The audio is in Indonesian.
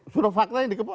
sudah faktanya dikepung